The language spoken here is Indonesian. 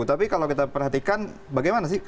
tapi kalau kita perhatikan bagaimana sih